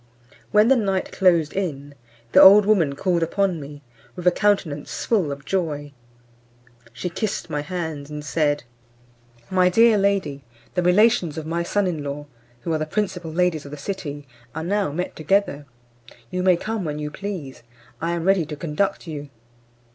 When the night closed in, the old woman called upon me, with a countenance full of joy. She kissed my hands, and said, "My dear lady, the relations of my son in law, who are the principal ladies of the city, are now met together; you may come when you please; I am ready to conduct you."